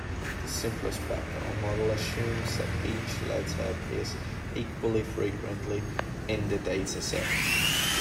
The simplest background model assumes that each letter appears equally frequently in the dataset.